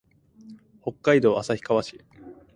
北海道旭川市